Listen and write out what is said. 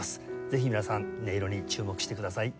ぜひ皆さん音色に注目してください。